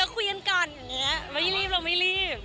แล้วคุยกันก่อนไม่รีบเราไม่รีบ